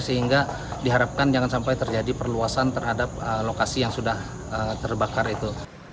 sehingga diharapkan jangan sampai terjadi perluasan terhadap lokasi yang sudah terbakar itu